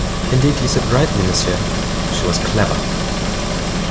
Indeed, you said rightly, monsieur — she was clever.